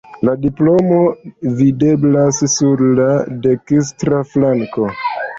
La diplomo videblas sur la dekstra flanko.